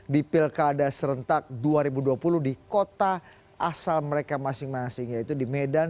di pilkada serentak dua ribu dua puluh di kota asal mereka masing masing yaitu di medan